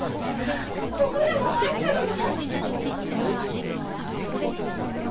毒でも入ってるの？